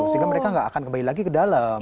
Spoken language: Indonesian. sehingga mereka nggak akan kembali lagi ke dalam